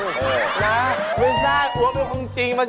และมันพร้อมปลอดภัย